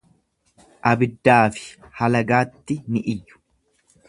Abiddaafi halagaatti ni iyyu.